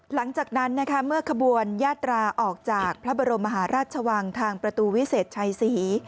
หลังจากนั้นนะคะเมื่อขบวนยาตราออกจากพระบรมมหาราชวังทางประตูวิเศษชัยศรี